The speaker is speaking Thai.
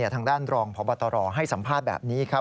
ทางด้านรองพบตรให้สัมภาษณ์แบบนี้ครับ